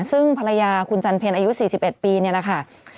ซึ่งภรรยาคุณจันเพลอายุ๔๑ปีนี่แหละค่ะ